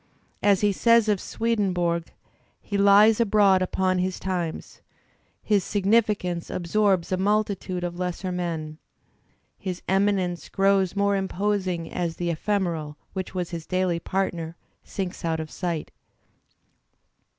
As he says of Swedenborg, he Ues abroad upon his times; his significance absorbs a multitude of lesser men; his eminence grows more imposing as the ephemeral which was his daily partner sinks out of sight.